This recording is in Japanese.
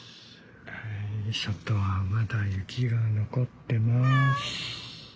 外はまだ雪が残ってます。